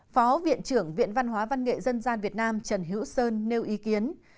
phó viện trưởng viện văn hóa văn nghệ dân gian việt nam trần hữu sơn nêu ý kiến